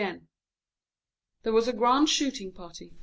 There was a grand hunting party.